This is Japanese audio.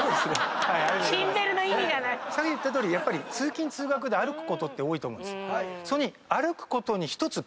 さっき言ったとおり通勤通学で歩くことって多いと思う。